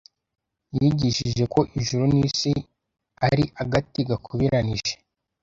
Yigishije ko ijuru n’isi ari agati gakubiranije